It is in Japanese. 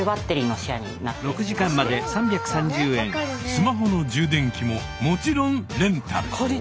スマホの充電器ももちろんレンタル。